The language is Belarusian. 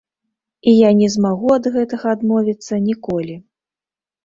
І я не змагу ад гэтага адмовіцца ніколі.